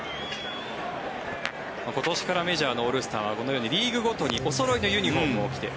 今年からメジャーのオールスターはこのようにリーグごとにおそろいのユニホームを着て。